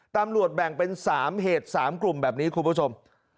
ตำรวจแบ่งเป็น๓เหตุ๓กลุ่มแบบนี้คุณผู้ชม